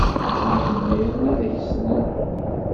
Ur zmiren ad ak-slen.